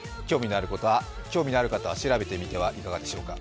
興味のある方は調べてみてはいかがでしょうか。